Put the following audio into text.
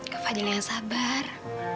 kak fadil yang sabar